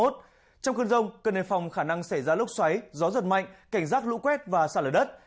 trong cơn rông cơn đầy phòng khả năng xảy ra lúc xoáy gió giật mạnh cảnh giác lũ quét và sạt lở đất